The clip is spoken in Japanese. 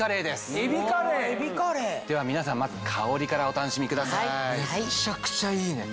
では皆さんまず香りからお楽しみください。